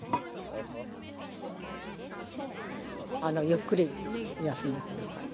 ゆっくり休んでください。